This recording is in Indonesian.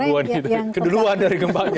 keduluan gitu ya keduluan dari gempanya